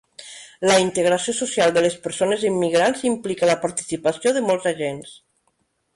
La integració social de les persones immigrants implica la participació de molts agents.